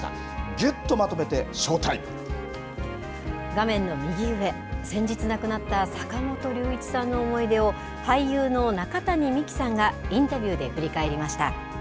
ぎゅっとまとめて、画面の右上、先日亡くなった坂本龍一さんの思い出を、俳優の中谷美紀さんがインタビューで振り返りました。